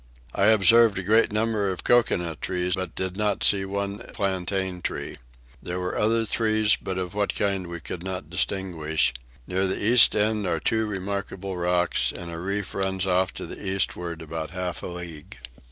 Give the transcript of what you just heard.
I observed a great number of coconut trees but did not see one plantain tree. There were other trees but of what kind we could not distinguish: near the east end are two remarkable rocks, and a reef runs off to the eastward about half a league.